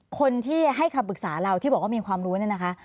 คนที่ให้คำปรึกษาเราที่บอกว่ามีความรู้เนี่ยนะคะ